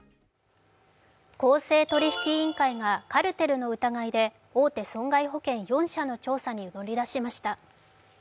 公正取引委員会がカルテルの疑いで大手損害保険４社の調査に乗り出しました。